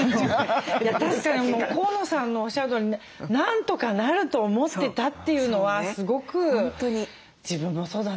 確かに河野さんのおっしゃるとおりね何とかなると思ってたっていうのはすごく自分もそうだなと思いました。